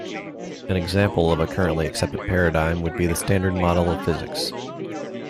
An example of a currently accepted paradigm would be the standard model of physics.